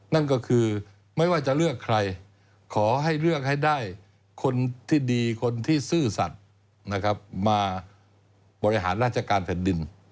นั่นก็คือไม่ว่าจะเลือกใครขอให้เลือกให้ได้คนที่ดีคนที่ซื่อสัตว์นะครับมาบริหารราชการแผ่นดิน